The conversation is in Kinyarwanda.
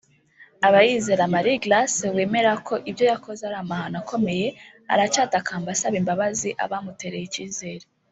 Abayizera Marie Grace wemera ko ibyo yakoze ari amahano akomeye aracyatakamba asaba imbabazi abamutereye icyizere